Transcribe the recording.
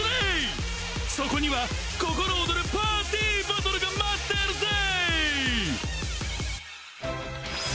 そこにはココロオドルパーティーバトルが待ってるぜー！